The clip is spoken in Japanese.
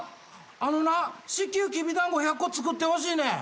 あのな至急きびだんご１００個作ってほしいねん。